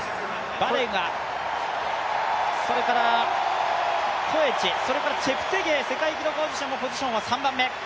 バレガ、それからコエチ、チェプテゲイ、世界記録保持者のポジションは３番目。